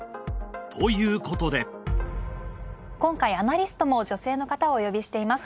ということで今回アナリストも女性の方をお呼びしております。